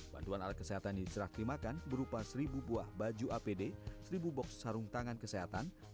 bantuan alat kesehatan diserahklimakan berupa satu buah baju apd satu box sarung tangan kesehatan